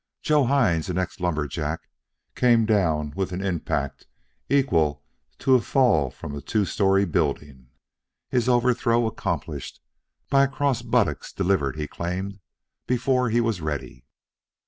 Joe Hines, ex lumber jack, came down with an impact equal to a fall from a two story building his overthrow accomplished by a cross buttock, delivered, he claimed, before he was ready.